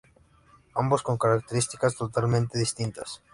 Ambos con características totalmente distintas.